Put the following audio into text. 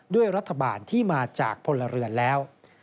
ด้วยรัฐบาลที่มาจากพลเรือนแล้ว